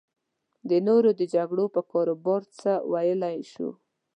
د نورو د جګړو پر کاروبار څه ویلی شو.